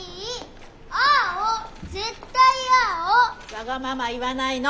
わがまま言わないの！